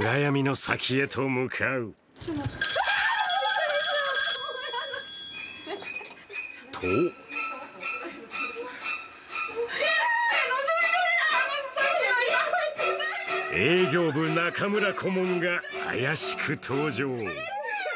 暗闇の先へと向かうと営業部、中村顧問が怪しく登場。